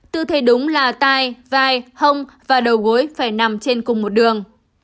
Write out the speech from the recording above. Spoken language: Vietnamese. tư thế đúng là tai vai hông và đầu gối phải nằm trên cùng một đường